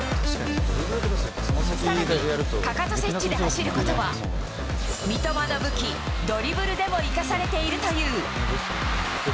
さらにかかと接地で走ることは、三笘の武器、ドリブルでも生かされているという。